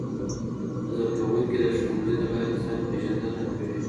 زدهکوونکي د ښوونځي د لارې ځان پیژندنه کوي.